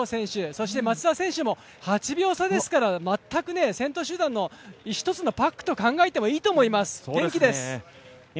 そして松田選手も８秒差ですから全く先頭集団の１つのパックと考えていいかと思います。